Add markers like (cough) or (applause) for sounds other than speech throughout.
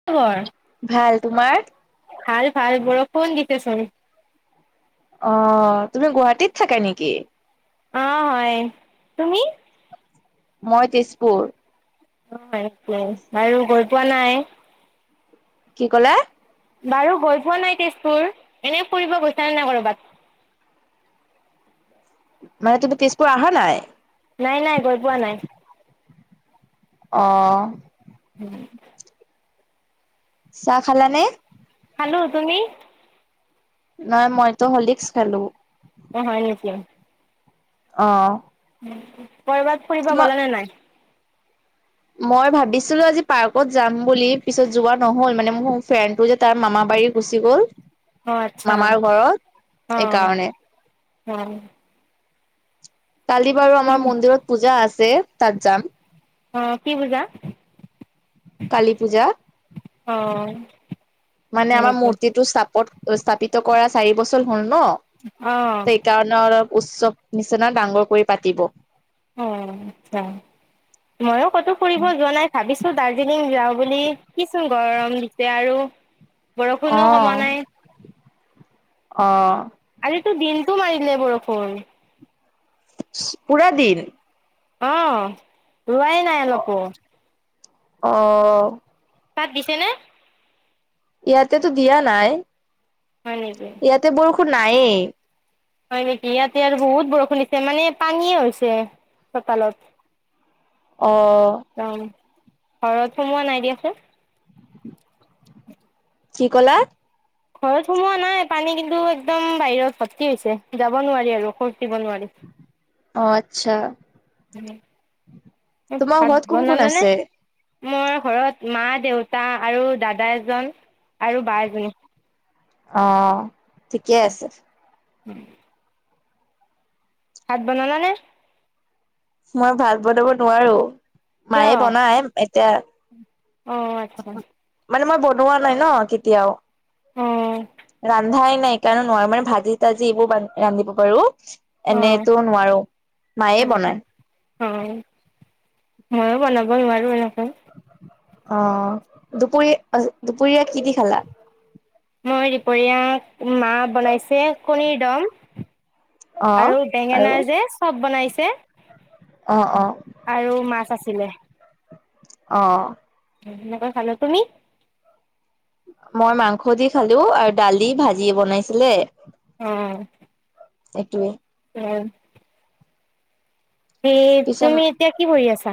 কি খবৰ ভাল তোমাৰ ভাল ভাল বৰষুণ দিছে চোন অ তুমি গুৱাহাটীত থাকা নেকি অ হয় তুমি মই তেজপুৰ অ এইটোৱেই বাৰু গৈ পোৱা নাই কি কলা বাৰু গৈ পোৱা নাই তেজপুৰ এনে ফুৰিব গৈছা নে নাই কৰবাত মানে তুমি তেজপুৰ আহা নাই নাই নাই গৈ পোৱা নাই অ উম চাহ খালা নে খালো তুমি নাই মইতো হলিকচ খালো অ হয় নেকি অ কৰবাত ফুৰিব তোমাৰ গ'লা নে নাই মই ভাবিছিলো আজি পাৰ্কত যাম বুলি পিছত যোৱা নহ'ল মানে মোৰ ফ্ৰেণ্ডটো যে তাৰ মামা বাৰী গুচি গ'ল অ' আচ্ছা। মামাৰ ঘৰত অ' এইকাৰণে অ কালি বাৰু আমাৰ মন্দিৰত পূজা আছে তাত যাম অ কি পুজা কালী পূজা অ মানে হয় আমাৰ নেকি? মূৰ্তিটো চাপত স্থাপিত কৰা চাৰি বছৰ হ'ল ন অ'। সেইকাৰণে অলপ উৎসৱ নিচিনা ডাঙৰ কৰি পাতিব অ আচ্ছা ময়ো ক'তো ফুৰিব যোৱা নাই ভাবিছো দাৰ্জিলিং যাওঁ বুলি একেচোন গৰম দিছে আৰু বৰষুণো কমোৱা নাই আজিতো দিনটো মাৰিলে বৰষুণ পুৰা দিন অ ৰোৱাই নাই অলপো অ তাত দিছে নে ইয়াতেতো দিয়া নাই হয় নেকি ইয়াতে বৰষুণ নাইয়ে হয় নেকি ইয়াতে আৰু বহুত বৰষুণ দিছে মানে পানীয়ে হৈছে চোতালত অ। অ, ঘৰত সোমোৱা নাই দিয়াচোন। কি কলা? ঘৰত সোমোৱা নাই পানী কিন্তু একদম বাহিৰত ভৰ্তি হৈছে যাব নোৱাৰি আৰু খোজ দিব নোৱাৰি। অ আচ্ছা। তোমাৰ ভাত ঘৰত কোন কোন বনালানে? আছে? মোৰ ঘৰত মা, দেউতা আৰু দাদা এজন আৰু বা এজনী। অ ঠিকেই আছে। উম। ভাত বনালানে? মই ভাত বনাব নোৱাৰো কিয় মায়ে বনাই এতিয়া অ আচ্ছা মানে মই বনোৱা নাই ন কেতিয়াও। অ। ৰান্ধাই নাই সেইকাৰণে নোৱাৰো মানে ভাজি-তাজি এইবোৰ ৰান্ধিব পাৰো। অ এনেইটো নোৱাৰো মায়েই বনায়। অ মইয়ো বনাব নোৱাৰো এনেকে। অ। দুপৰীয়া আজি দুপৰীয়া কি দি খালা? মই দুপৰীয়া মা বনাইছে কণীৰ দম অ', আৰু আৰু? বেঙেনাৰ যে চব বনাইছে অ অ। আৰু মাছ আছিলে। অ। সেনেকৈ খালো। তুমি? মই মাংস দি খালো আৰু দালি, ভাজি বনাইছিলে। অ। একেই। কিমান? এই পিছত তুমি এতিয়া কি পঢ়ি আছা?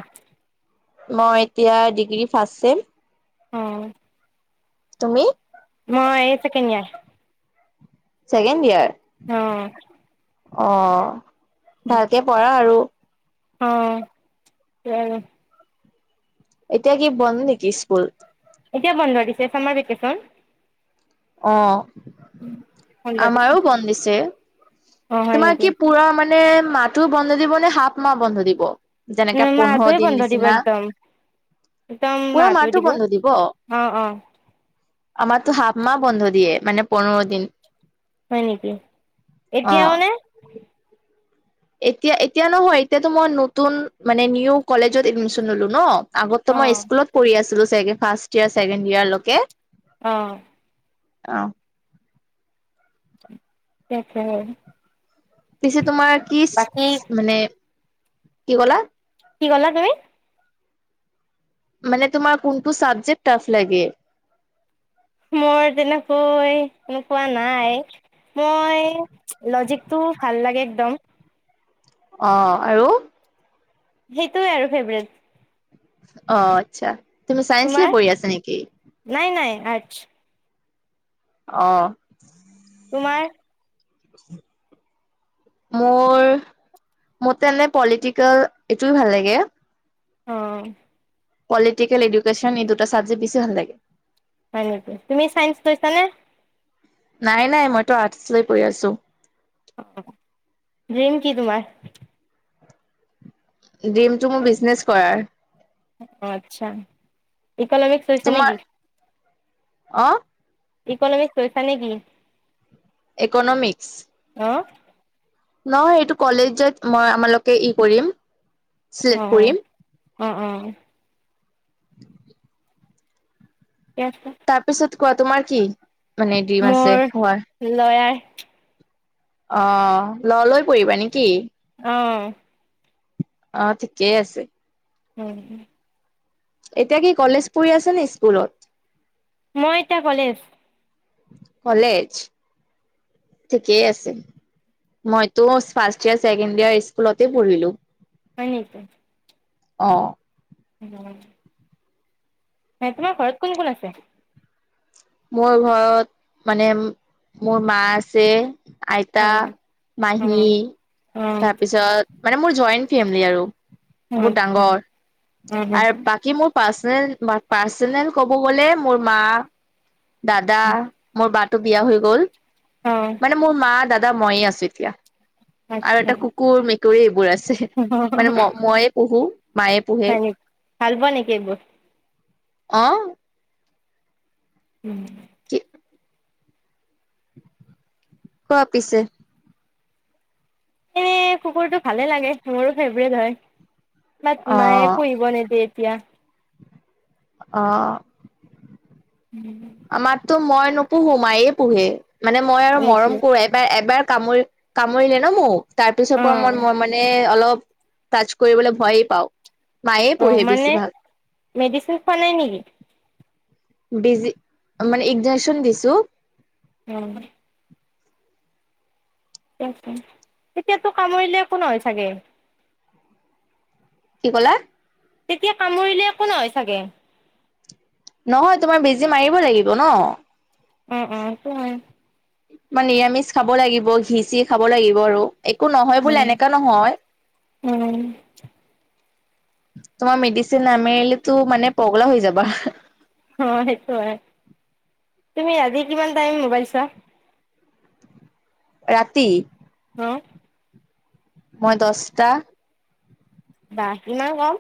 মই এতিয়া ডিগ্ৰী ফাৰ্ষ্ট চেম। অ। তুমি? মই এই চেকেণ্ড য়েৰ। Second year? অ। অ ভালকে পঢ়া আৰু। অ সেইয়াই। এতিয়া কি বন্ধ নিকি স্কুল? এতিয়া বন্ধ দিছে চামাৰ ভেকেচন। অ বন্ধ দিছে আমাৰো বন্ধ দিছে। অ হয় তোমাৰ নেকি কি পুৰা মানে মাহটো বন্ধ দিব নে হাফ মাহ বন্ধ দিব? যেনেকে উম পোন্ধৰ মাহটোৱে দিন বন্ধ দিব নিচিনা। একদম পুৰা মাহটো বন্ধ দিব। অ অ আমাৰটো হাফ মাহ বন্ধ দিয়ে মানে পোন্ধৰ দিন। হয় নিকি। অ এতিয়াও নে? এতিয়া এতিয়া নহয় এতিয়াটো মই নতুন মানে নিউ কলেজত এডমিশন ল'লো ন। আগতটো মই স্কুলত পঢ়ি আছিলোঁ চাগে ফাৰ্ষ্ট ইয়েৰ, ছেকেণ্ড ইয়েৰলৈকে। অঁ। অঁ (unintelligible) পিছে তোমাৰ কিস্ বাকী মানে কি ক'লা? কি ক'লা তুমি? মানে তোমাৰ কোনটো চাবজেক্ট টাফ লাগে? মোৰ তেনেকৈ এনেকুৱা নাই। মই লজিকটো ভাল লাগে একদম। অঁ আৰু? সেইটোৱে আৰু ফ্ৰেবেত। অঁ, আচ্ছা। তুমি চাইন্স লৈ তোমাৰ? পঢ়ি আছা নেকি? নাই, নাই আৰ্টছ। অঁ তোমাৰ? মোৰ মোৰ তেনে পলিটিকেল এইটো ভাল লাগে। অঁ পলিটিকেল, এডুকেশ্যন এই দুটা চাবজেক্ট বেছি ভাল লাগে। হয় নেকি? তুমি চাইন্স লৈছিলানে? নাই, নাই মইতো আৰ্টছ লৈ পঢ়ি আছো। ড্ৰীম কি তোমাৰ? ড্ৰীমটো মোৰ বিজনেছ কৰাৰ। অঁ, আচ্ছা। ইকনমিক্স লৈছা নেকি? তোমাৰ অঁ। ইকনমিক্স লৈছা নেকি? ইকনমিক্স? অঁ। নহয় এইটো কলেজত মই আমালোকে ই কৰিম। চিলেক্ট হয়, হয়। কৰিম অঁ অঁ অঁ ঠিকে আছে। তাৰপিছত কোৱা, তোমাৰ কি মানে ড্ৰীম আছে হোৱাৰ? লয়েয়াৰ। অঁ ল ' লৈ পৰিবা নেকি? অঁ অঁ, ঠিকেই আছে। উম, ওঁ। এতিয়া কি কলেজ পঢ়ি আছে নে স্কুলত? মই এতিয়া কলেজ। কলেজ? ঠিকে আছে। মইটো ফাৰ্ষ্ট ইয়েৰ, ছেকেণ্ড ইয়েৰ স্কুলতে পঢ়িলোঁ। হয় নেকি? অঁ নিজৰ গাঁৱত আছিলোঁ। তোমাৰ ঘৰত কোন কোন আছে? মোৰ ঘৰত মানে, মোৰ মা আছে আইতা, অ' মাহী, অ', অ', তাৰপিছত মানে মোৰ জইণ্ট ফেমিলি আৰু বহুত আচ্ছা ডাঙৰ অ', আৰু বাকী কি মোৰ পাৰ্চনেল পাৰ্চনেল ক'ব গ'লে মোৰ মা, দাদা মোৰ বাটো বিয়া হৈ গল অ', মানে মোৰ মা, দাদা, মইে আছো এতিয়া। আৰু আচ্ছা। এটা কুকুৰ, মেকুৰী, এইবোৰ আছে মানে ম মই পহো মায়ে। পোহে হয় নেকি ভাল পোৱা নেকি একবোৰ আহ উম কি? কোৱা পিছে এ কুকুৰটো, ভালে লাগে মোৰো ফেভৰেট হয় বাট অ মায়ে পুহিব নিদিয়ে। এতিয়া অ ওম আমাৰতো মই নুপুহো মায়েই পুহে মানে মই আৰু নেকি মৰম কৰোৱাই। এবাৰ এবাৰ কামুৰি কামুৰিলে ন মোক তাৰপিছৰ পৰা মই অ', মই মানে অলপ- টাচ কৰিবলৈ ভয়েই পাওঁ। মায়ে অঁ পোহে মানে বেছিভাগ মেডিচিন খোৱা নাই নেকি? ডজি মানে একগজেশ্যন দিছোঁ। অ তেতিয়াতো কামুৰিলে একোন নহয় চাগে। কি ক'লা? তেতিয়া কামুৰিলে একো নহয় চাগে। নহয় তোমাৰ বেজি মাৰিব লাগিব ন। অ অ আ মই নিৰামিষ খাব লাগিব ঘিচি খাব লাগিব আৰু একো নহয় বোলে উম, এনেকা নহয় উম। তোমাৰ মেডিচিন নামাৰিলো মানে পগলা হৈ যাবা। অ সেইটো হয় তুমি ৰাতি কিমান টাইম মোবাইল চোৱা। ৰাতি অ- মই দছটা- বাাহ ইমান কওঁ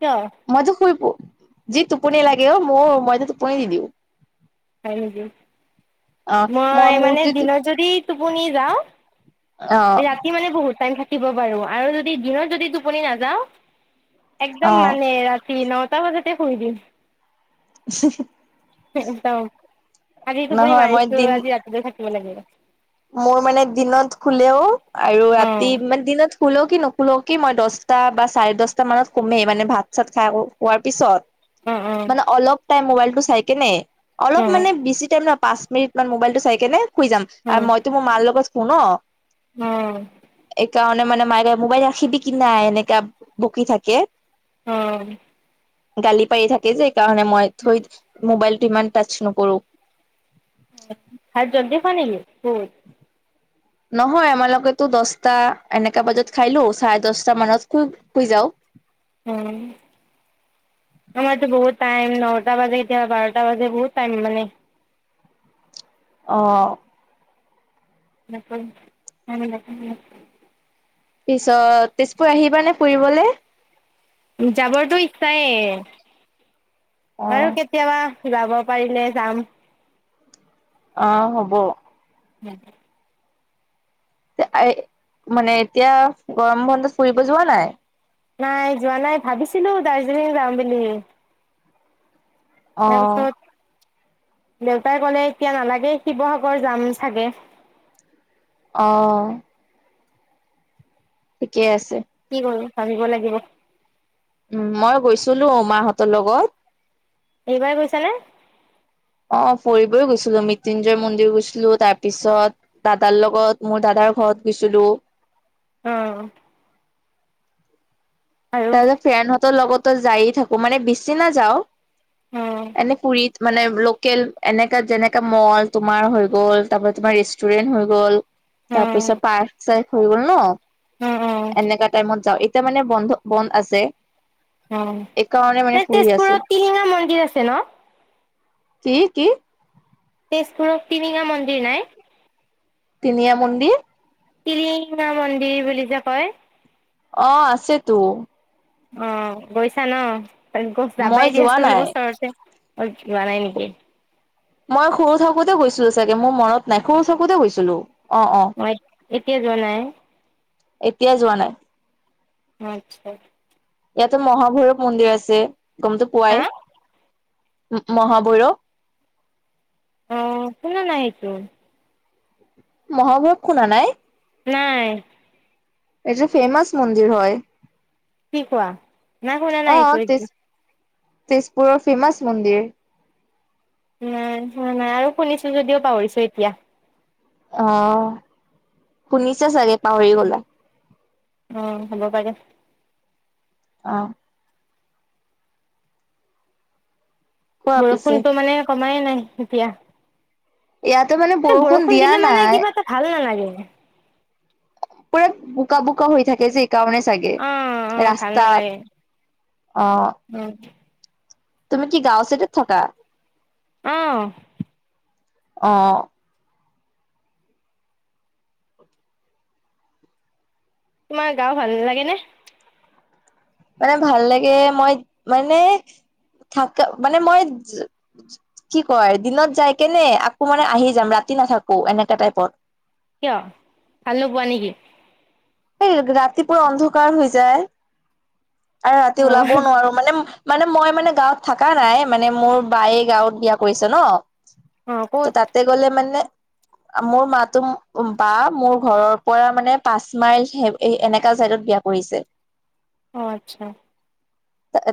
কিয়? মইতো শুই প যি টোপনি লাগে অ মই মইতো টোপনি দি দিওঁ। হয় নেকি কি মই মানে দিন যদি টোপনি যাওঁ অ বাকী মানে বহুত টাইম থাকিব বাৰু আৰু যদি দিনত যদি টোপনি নাযাওঁ। একদম অ' মানে ৰাতি নটা বজাতে শুই দিম। একদম উ আজি টোপুনি মাৰিছো আজি ৰাতিলৈ থাকিব লাগিব মোৰ মানে দিনত খোলেও আৰু অ ৰাতি মানে দিনত- শুলও কি নোশুও কি মই দহটা বা চাৰে দহটা মানত কমেই মানে ভাত চাত খাই খোৱাৰ পিছত অ অ মানে অলপ টাই মবাইলটো চাই কিনে। উ বেছি টাইম নহ পাঁচ মিনিট মান মোবাইলটো চাই কেনে শুই যাম আৰু মইতো মোৰ মাৰ লগত ফোন অ উম। এইকাৰণে মানে ম মোবাইল ৰাখিব কি নাই এনেকা বকি থাকে। অঁ। গালি পাৰি থাকে যে কাৰণে মই থৈ মোবাইলটো ইমান টাচ নকৰো। খাত জল দে ফ নে বত (unintelligible) নহয় আমালোকেতো দহটা এনেকা বজাত খাইলো চাৰে দহটা মানত শুই- শুই যাও। উম। মমতো বহত াইম নটা বাজে বাৰটা বাজে বহত াইম মানে (unintelligible) অঁ। নম (inaudible) পিছত তেজপুৰ আহিবানে ফুৰিবলৈ? যাবৰটোো ইচ্ছাই অ বাৰু (unintelligible) কেতিয়াবা যাব পাৰিলে যাম। অ' হ'ব। ও (unintelligible) মানে এতিয়া গৰম বন্ধত ফুৰিব যোৱা নাই? নাই যোৱা নাই ভাবিছিলোঁ দাৰ্জিলিং যাম বুলি। অ তাৰপিছত দেউতাই ক'লে এতিয়া নালাগে, শিৱসাগৰ যাম চাগে। অঁ। ঠিকে আছে। কি কৰো ভাবিব লাগিব। উম, মই গৈছিলো অ মাহঁতৰ লগত। এইবাৰ গৈছা নে? অ' ফুৰিবও গৈছিলো মৃত্যুঞ্জয় মন্দিৰ গৈছিলো তাৰ পিছত। দাদাৰ লগত, মোৰ দাদাৰ ঘৰত গৈছিলো। অঁ। আৰু তাৰ পিছত ফ্ৰেণ্ডহঁতৰ লগতো যায়ে থাকো, মানে বেছি নাযাও অ এনে পুৰিত। মানে লোকেল এনেকা যেনেকা মল তোমাৰ হৈ গ'ল তাৰপৰা তোমাৰ ৰেষ্টুৰেন্ট হৈ গ'ল। অ তাৰ পিছত পাৰ্ক চাৰক হৈ গল ন অ অ এনেকা টাইমত যাও এতিয়া মানে বন্ধ। (unintelligible) বন্ধ আছে। এইকাৰণে মানে অ' ফুৰি আছো তেজপুৰত টিলিঙা মন্দিৰ আছে ন? কি কি? তেজপুৰত টিলিঙা মন্দিৰ নাই। টিলিঙা মন্দিৰ। টিলিঙা মন্দিৰ বুলি যে কয়। অ' আছে তো। অ' গৈছা ন, মই যাবাই যোৱা দিয়াছো ওচৰতে। মানে নাই ওচৰতে লোৱা নাই নেকি (unintelligible) মই সৰু থাকোতে গৈছিলো চাগে, মোৰ মনত নাই সৰু থাকোতে গৈছিলো। অ অ মই এতিয়া যোৱা নাই। এতিয়া যোৱা নাই। আচ্ছা। ইয়াতে মহাভৈৰৱ মন্দিৰ আছে, গমটো হা পোৱাই মহাভৈৰৱ। অ' শুনা নাই এইটো। মহাভৈৰৱ শুনা নাই? নাই। এইটো ফেমাচ মন্দিৰ হয়। কি কোৱা? অ (unintelligible) তেজ তেজপুৰৰ ফেমাচ মন্দিৰ। নাই, নাই আৰু শুনিছো যদিও পাহৰিছো এতিয়া। অ শুনিছা চাগে, পাহৰি গলা। অ হ'ব পাৰে। অ কোৱা পিছে বৰষুণটো মানে কমাই নাই এতিয়া। ইয়াটো মানে মানে, বৰষুণ দিয়া দিলে মানে নাই কিবা এটা ভাল নালাগে। পুৰা বোকা বোকা হৈ থাকে যে। কাৰণে চাগে, অ', অ', ৰাস্তাত অ অ! তুমি কি গাঁৱৰ চাইটত থাকা? অহ, অ! তোমাৰ গাওঁ ভাল লাগে নে? মানে ভাল লাগে, মই মানে থাক মানে মই কি কয় দিনত যায় কেনে আকৌ মানে আহি যাম ৰাতি নাথাকো এনেকা টাইপত। কিয় ভাল নোপোৱা নেকি? এই ৰাতিপুৱা অন্ধকাৰ হৈ যায় আৰু ৰাতি ওলাবও অ', নোৱাৰো মানে মানে মই মানে গাঁৱত থাকা নাই! মানে মোৰ বাইয়ে গাঁৱত বিয়া কৰিছে ন। অ', ক'ত? ত তাতে গলে মানে মোৰ মাতো বা মোৰ ঘৰৰ পৰা মানে পাঁচ ইছ্মাইল হে এনেকা চাইডত বিয়া কৰিছে। অ আচ্ছা!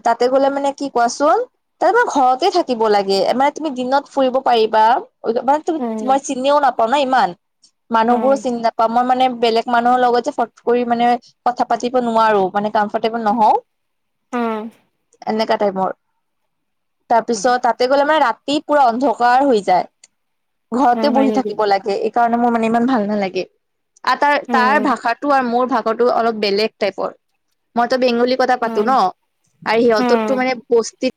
তাতে গলে মানে কি কোৱাচোন তাত আমাৰ ঘৰতে থাকিব লাগে, মানে তুমি দিনত ফুৰিব পাৰিবা। বাট তুমি, উম, মই চিনিও নাপাও ন ইমান! মানুহবোৰো অ', চিনি নাপাওঁ মই মানে বেলেগ মানুহ লগত যে ফট কৰি মানে কথা পাতিব নোৱাৰো। মানে কমফৰটেবল নহওঁ অ', এনেকা টাইমৰ। তাৰ পিছত তাতে গলে মানে- ৰাতি পুৰা অন্ধকাৰ হৈ যায়, ঘৰতে অ', হয় বহি নেকি? থাকিব লাগে। এইকাৰণে মোৰ মানে ইমান ভাল নালাগে। তাৰ তাৰ উম, ভাষাটো আৰু মোৰ ভাষাটো অলপ বেলেগ টাইপৰ, মইতো বেংগলী কথা পাতো উম, ন। আৰু উম। সিহঁতৰটো মানে বস্তিক।